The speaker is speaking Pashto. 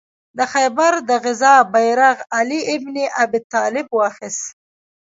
د خیبر د غزا بیرغ علي ابن ابي طالب واخیست.